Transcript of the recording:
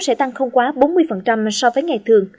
sẽ tăng không quá bốn mươi so với ngày thường